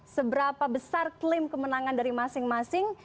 seberapa besar klaim kemenangan dari masing masing